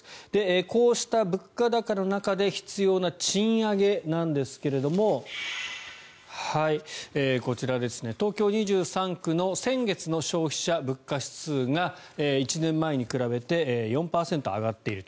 こうした物価高の中で必要な賃上げなんですがこちら、東京２３区の先月の消費者物価指数が１年前に比べて４％上がっていると。